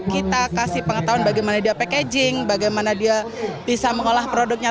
kita kasih pengetahuan bagaimana dia packaging bagaimana dia bisa mengolah produknya